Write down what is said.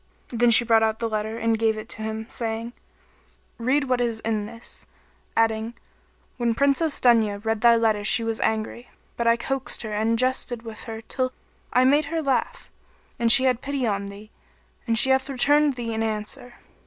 Then she brought out the letter and gave it to him, saying, "Read what is in this;" adding "When Princess Dunya read thy letter she was angry; but I coaxed her and jested with her till I made her laugh, and she had pity on thee and she hath returned thee an answer."